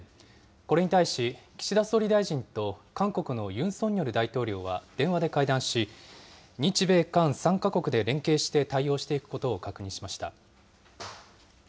これに対し岸田総理大臣と韓国のユン・ソンニョル大統領は電話で会談し、日米韓３か国で連携して対応していくことを確認しました。